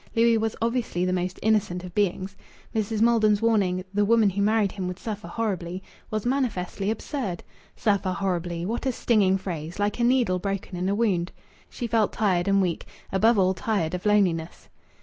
Louis was obviously the most innocent of beings. Mrs. Maiden's warning, "The woman who married him would suffer horribly," was manifestly absurd. "Suffer horribly" what a stinging phrase, like a needle broken in a wound! She felt tired and weak, above all tired of loneliness.